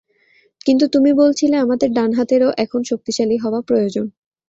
কিন্তু তুমি বলছিলে আমাদের ডান হাতেরও এখন শক্তিশালী হওয়া প্রয়োজন।